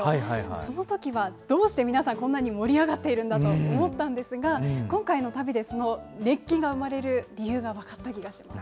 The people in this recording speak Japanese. そのときは、どうして皆さん、こんなに盛り上がっているんだと思ったんですが、今回の旅でその熱気が生まれる理由が分かった気がします。